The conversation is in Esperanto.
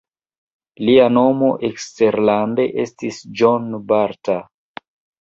Lia nomo eksterlande estis John Bartha.